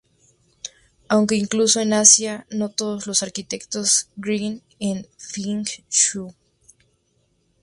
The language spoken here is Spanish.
Aunque incluso en Asia, no todos los arquitectos creen en Feng Shui.